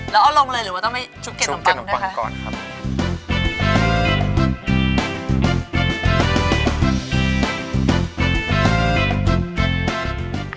แล้วเอาลงเลยหรือว่าต้องให้ชุกเก็บนมปังด้วยค่ะชุกเก็บนมปังก่อนครับ